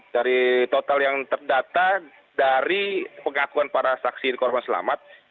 dari total yang terdata dari pengakuan para saksi korban selamat